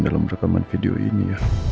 dalam rekaman video ini